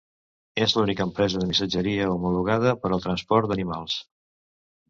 És l'única empresa de missatgeria homologada per al transport d'animals.